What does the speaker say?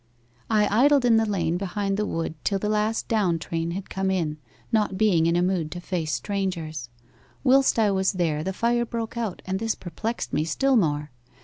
'"I idled in the lane behind the wood till the last down train had come in, not being in a mood to face strangers. Whilst I was there the fire broke out, and this perplexed me still more.